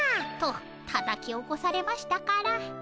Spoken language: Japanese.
とたたき起こされましたから。